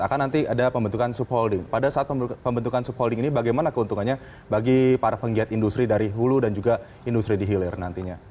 akan nanti ada pembentukan subholding pada saat pembentukan subholding ini bagaimana keuntungannya bagi para penggiat industri dari hulu dan juga industri di hilir nantinya